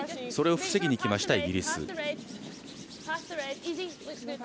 それを防ぎにきたイギリス。